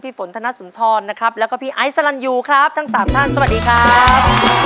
ฝนธนสุนทรนะครับแล้วก็พี่ไอซันยูครับทั้งสามท่านสวัสดีครับ